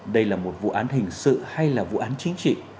đây là một vụ án hình sự hay là vụ án chính trị